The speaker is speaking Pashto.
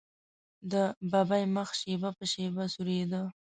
د ببۍ مخ شېبه په شېبه سورېده.